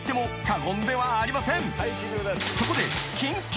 ［そこで］